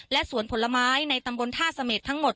และสวนผลไม้ในตำบลท่าเสม็ดทั้งหมด